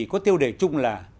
có tiêu đề chung là